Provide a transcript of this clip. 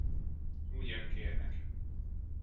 Ugyan, kérlek.